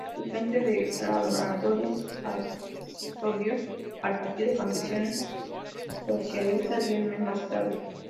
El Frente de Labradores absorbió al Partido Campesinos Socialista un mes más tarde.